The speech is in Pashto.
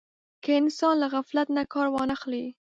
که انسان له غفلت نه کار وانه خلي.